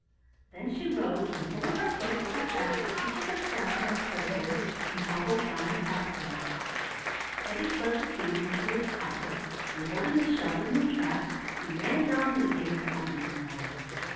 Then she rose, and pulling her cloak over the basket she took her staff in her other hand and hobbled down the pathway. Teddy slipped the key into his pocket, and holding the shovel and the trap he ran down to the gate to open it for her.